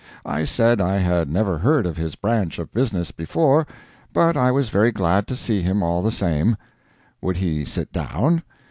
I said I had never heard of his branch of business before, but I was very glad to see him all the same. Would he sit down?